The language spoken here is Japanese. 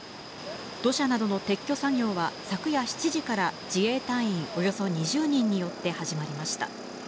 土砂などの撤去作業は昨夜７時から自衛隊員およそ２０人によって始まりました。